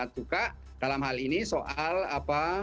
juga dalam hal ini soal apa